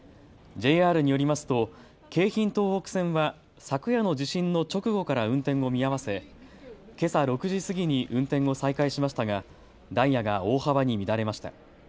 ＪＲによりますと京浜東北線は昨夜の地震の直後から運転を見合わせけさ６時過ぎに運転を再開しましたがダイヤが大幅に乱れました。